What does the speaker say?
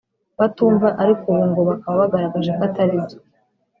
batumva ariko ubu ngo bakaba baragaragaje ko atari byo